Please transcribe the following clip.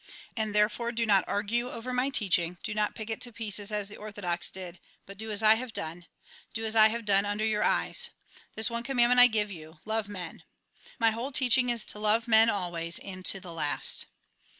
And therefore do not argue over my teaching, do not pick it to pieces as the orthodox did, but do as I have done ; do as I have done under your eyes. This one commandment I give you : Love men. My whole teaching is, to love men always, and to the last."